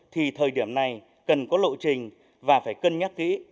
thì thời điểm này cần có lộ trình